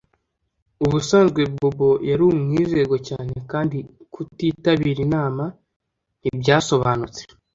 Ubusanzwe Bobo yari umwizerwa cyane kandi kutitabira inama ntibyasobanutse